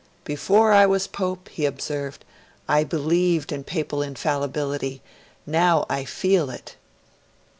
'Before I was Pope,' he observed, 'I believed in Papal Infallibility, now I feel it.'